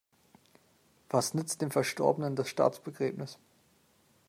Was nützt dem Verstorbenen das Staatsbegräbnis?